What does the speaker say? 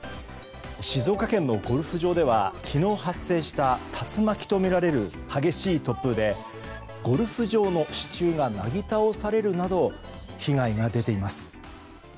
静岡県のゴルフ場では昨日発生した竜巻とみられる激しい突風でゴルフ場の支柱がなぎ倒されるなど被害が出ています。